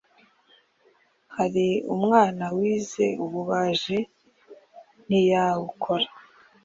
Hari umwana wize ububaji ntiyabukora